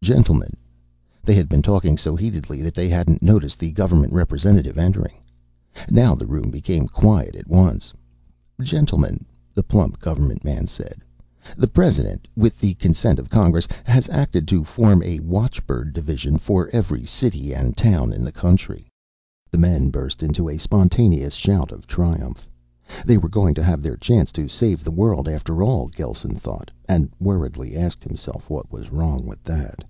"Gentlemen " They had been talking so heatedly that they hadn't noticed the government representative entering. Now the room became quiet at once. "Gentlemen," the plump government man said, "the President, with the consent of Congress, has acted to form a watchbird division for every city and town in the country." The men burst into a spontaneous shout of triumph. They were going to have their chance to save the world after all, Gelsen thought, and worriedly asked himself what was wrong with that.